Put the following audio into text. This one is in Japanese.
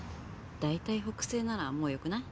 大体北西ならもう良くない？